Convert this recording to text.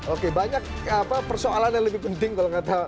oke banyak persoalan yang lebih penting kalau nggak tahu